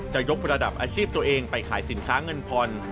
จะยกระดับอาชีพตัวเองไปขายสินค้าเงินผ่อน